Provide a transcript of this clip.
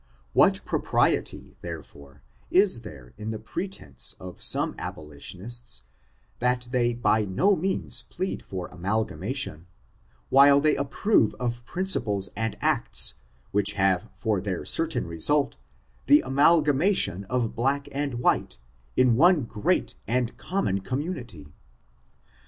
What propriety, therefore, is there in the pretense of some abolitionists, that they by no means plead for amalgamation, while they approve of prin ciples and acts, which have for their certain result, the amalgamation of black and white, in one great and common community.